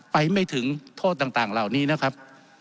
ไม่ถึงโทษต่างเหล่านี้นะครับ